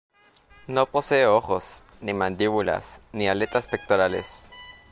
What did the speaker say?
No posee ojos, ni mandíbulas, ni aletas pectorales.